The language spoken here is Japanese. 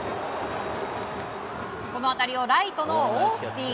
この当たりをライトのオースティン。